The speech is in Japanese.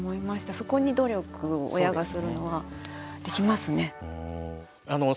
そこに努力を親がするのはできますね。